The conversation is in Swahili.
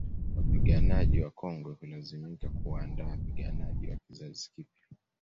Wapiganaji wakongwe hulazimika kuwaandaa wapiganaji wa kizazi kipya